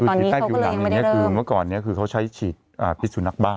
คือใต้ผิวหนังอย่างนี้คือเมื่อก่อนนี้คือเขาใช้ฉีดพิษสุนัขบ้าน